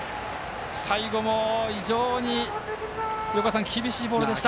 最後も非常に厳しいボールでした。